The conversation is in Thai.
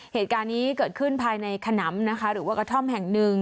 เหตุการณ์นี้เกิดขึ้นภายในขนำนะคะหรือว่ากระท่อมแห่งหนึ่ง